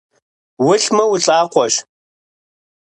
УлӀмэ, улӀакъуэщ.